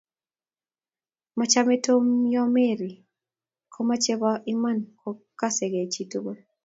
machamei Tom Mary yo kamwoch be bo Iman kokasei chitugul